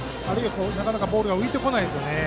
なかなかボールが浮いてこないでですね。